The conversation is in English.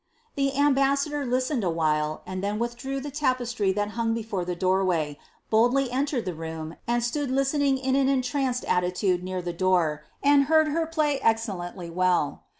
The ambassador listened awhile, and then withdrew the tapestry tin hung before the doorway, boldly entered the room, and stood lisienio in an entranced attitude near the door, and heard her play excellend well.